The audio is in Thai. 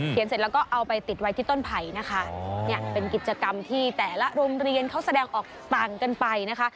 เสร็จแล้วก็เอาไปติดไว้ที่ต้นไผ่นะคะเนี่ยเป็นกิจกรรมที่แต่ละโรงเรียนเขาแสดงออกต่างกันไปนะคะ